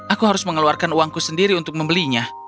aku harus mengeluarkan uangku sendiri untuk membelinya